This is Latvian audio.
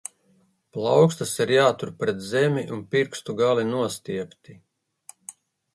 Plaukstas ir jātur pret zemi un pirkstu gali nostiepti.